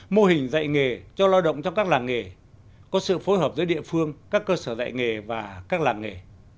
mô hình dạy nghề cho lao động trong các làng nghề có sự phối hợp giữa địa phương các cơ sở dạy nghề và các làng nghề